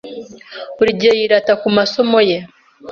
Buri gihe yirata ku masomo ye.